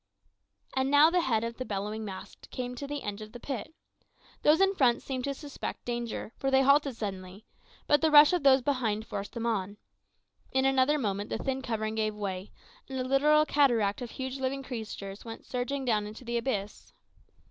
And now the head of the bellowing mass came to the edge of the pit. Those in front seemed to suspect danger, for they halted suddenly; but the rush of those behind forced them on. In another moment the thin covering gave way, and a literal cataract of huge living creatures went surging down into the abyss.